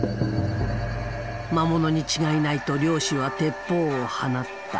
魔物に違いないと猟師は鉄砲を放った。